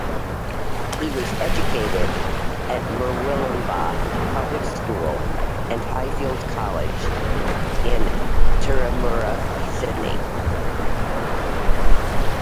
He was educated at Murwillumbah Public School and Highfield College in Turramurra, Sydney.